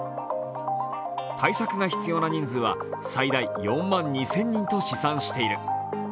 対策が必要な人数は最大４万２０００人と試算している。